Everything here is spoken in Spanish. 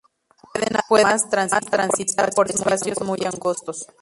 Pueden además transitar por espacios muy angostos.